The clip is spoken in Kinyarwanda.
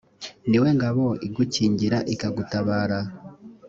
ni we ngabo igukingira ikagutabara.